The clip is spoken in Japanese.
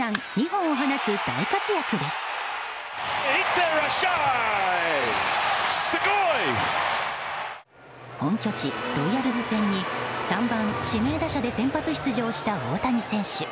本拠地ロイヤルズ戦に３番指名打者で先発出場した大谷選手。